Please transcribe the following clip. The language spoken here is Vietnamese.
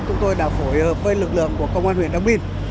chúng tôi đã phối hợp với lực lượng của công an huyện đắc minh